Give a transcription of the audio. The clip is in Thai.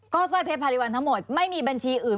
สร้อยเพชรพาริวัลทั้งหมดไม่มีบัญชีอื่น